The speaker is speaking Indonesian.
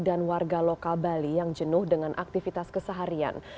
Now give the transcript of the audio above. dan warga lokal bali yang jenuh dengan aktivitas keseharian